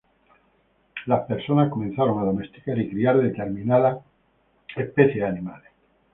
Las personas comenzaron a domesticar y criar determinadas especies animales.